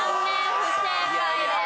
不正解です。